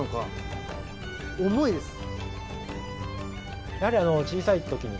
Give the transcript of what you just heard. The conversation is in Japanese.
重いです。